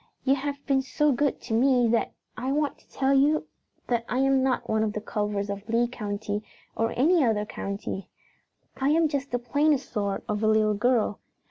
"You have been so good to me that I want to tell you that I am not one of the Culvers of Lee County or any other county. I am just the plainest sort of a little girl.